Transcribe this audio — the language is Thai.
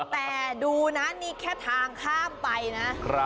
แต่ดูนะนี่แค่ทางข้ามไปนะ